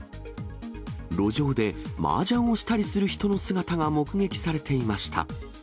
路上でマージャンをしたりする人の姿が目撃されていました。